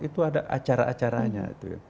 itu ada acara acaranya